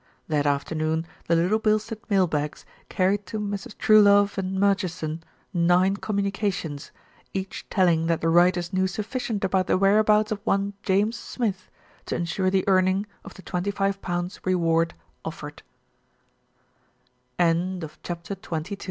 That afternoon the Little Bilstead mail bags carried to Messrs. Truelove and Murchison nine communica tions, each telling that the writers knew sufficient about the whereabouts of one James Smith to ensure the earn ing of the twenty five pounds' reward offered. CHAPTER XXIII MR.